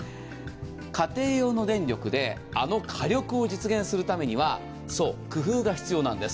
家庭用の電力であの火力を実現するためには、工夫が必要なんです。